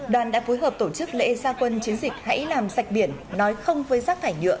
đoàn đã phối hợp tổ chức lễ gia quân chiến dịch hãy làm sạch biển nói không với rác thải nhựa